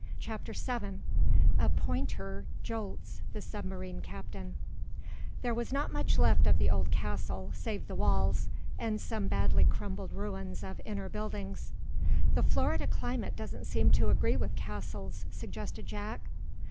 CHAPTER VII A POINTER "JOLTS" THE SUBMARINE CAPTAIN There was not much left of the old castle, save the walls, and some badly crumbled ruins of inner buildings. "The Florida climate doesn't seem to agree with castles," suggested Jack.